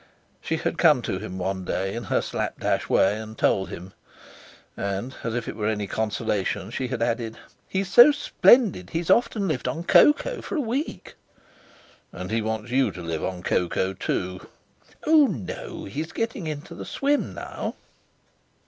She had come to him one day in her slap dash way and told him; and, as if it were any consolation, she had added: "He's so splendid; he's often lived on cocoa for a week!" "And he wants you to live on cocoa too?" "Oh no; he is getting into the swim now."